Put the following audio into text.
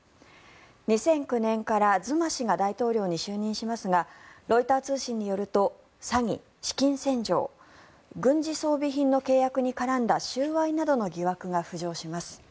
２００９年からズマ氏が大統領に就任しますがロイター通信によると詐欺、資金洗浄軍事装備品の契約に絡んだ収賄などの疑惑が浮上します。